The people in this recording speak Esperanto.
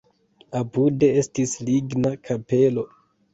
Apude estis ligna kapelo.